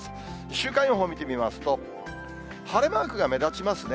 週間予報見てみますと、晴れマークが目立ちますね。